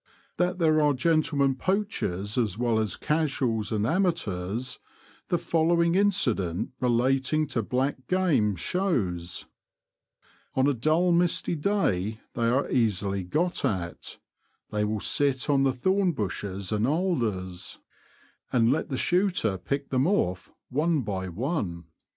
That there are gentlemen poachers as well as casuals and amateurs, the following incident relating to black game shows :'' On a dull misty day they are easily got at : they will sit on the thorn bushes and alders, and let the shooter pick them oflf I20 The Confessions of a Poacher. one by one.